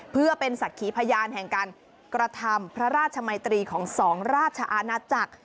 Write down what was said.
เพื่อเป็นศักดิ์ขีพยานแห่งการกระทำพระราชมัยตรีของสองราชอาณาจักร